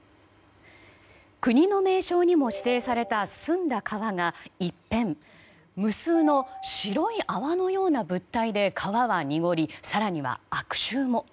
国の名勝にも指定された澄んだ川が一変無数の白い泡のような物体で川は濁り更には悪臭も。